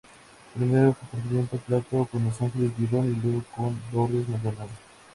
Primero compartiendo plató con Ángeles Mirón y luego con Lourdes Maldonado.